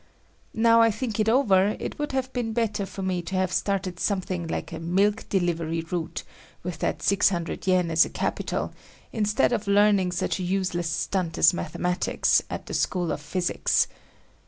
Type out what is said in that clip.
Now I think it over, it would have been better for me to have started something like a milk delivery route with that six hundred yen as capital, instead of learning such a useless stunt as mathematics at the School of Physics.